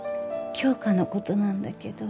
杏花のことなんだけど